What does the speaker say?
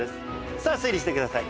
さあ推理してください。